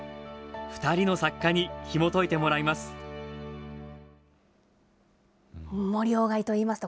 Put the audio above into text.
２人の作家にひもといてもらいます。